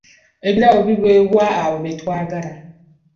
Ebirabo biweebwa abo be twagala.